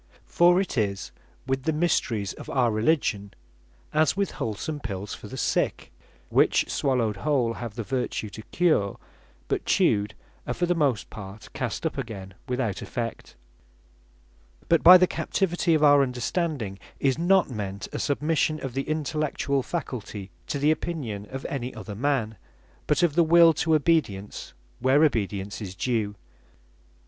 For it is with the mysteries of our Religion, as with wholsome pills for the sick, which swallowed whole, have the vertue to cure; but chewed, are for the most part cast up again without effect. What It Is To Captivate The Understanding But by the Captivity of our Understanding, is not meant a Submission of the Intellectual faculty, to the Opinion of any other man; but of the Will to Obedience, where obedience is due.